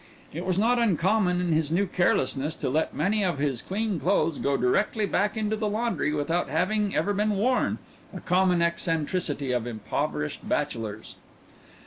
It was not uncommon in his new carelessness to let many of his clean clothes go directly back to the laundry without having ever been worn, a common eccentricity of impoverished bachelors.